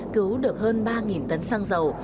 cứu được hơn ba tấn xăng dầu